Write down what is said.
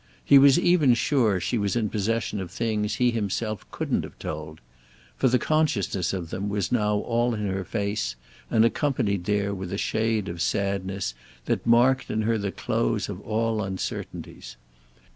He was even sure she was in possession of things he himself couldn't have told; for the consciousness of them was now all in her face and accompanied there with a shade of sadness that marked in her the close of all uncertainties.